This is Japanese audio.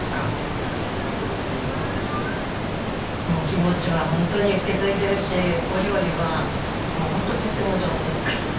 もう気持ちはホントに受け継いでるしお料理はホントとっても上手。